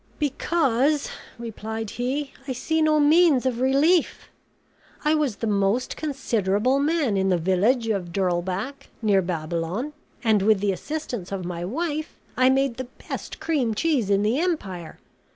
"Because," replied he, "I see no means of relief. I was the most considerable man in the village of Derlback, near Babylon, and with the assistance of my wife I made the best cream cheese in the empire.